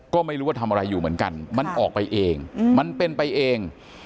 ก็ไม่รู้ว่าทำอะไรอยู่เหมือนกันมันออกไปเองมันเป็นไปเอง